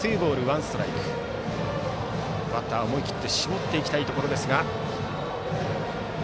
バッター、思い切って絞っていきたいところ。